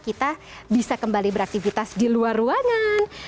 kita bisa kembali beraktivitas di luar ruangan